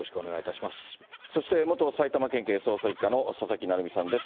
そして元埼玉県警捜査１課の佐々木成三さんです。